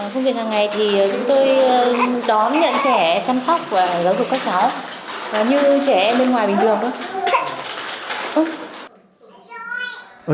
chúng tôi đón nhận trẻ chăm sóc và giáo dục các cháu như trẻ em bên ngoài bình thường